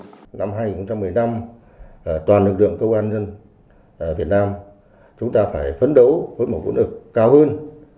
năm hai nghìn một mươi năm toàn lực lượng cơ quan nhân việt nam chúng ta phải phấn đấu với một quân ực cao hơn